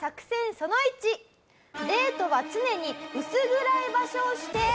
その１「デートは常に薄暗い場所を指定」。